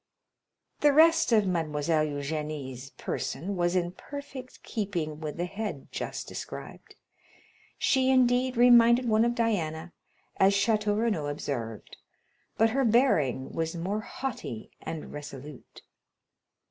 The rest of Mademoiselle Eugénie's person was in perfect keeping with the head just described; she, indeed, reminded one of Diana, as Château Renaud observed, but her bearing was more haughty and resolute.